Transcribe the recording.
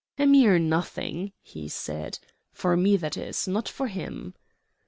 "A mere nothing," he said, "for me, that is not for him."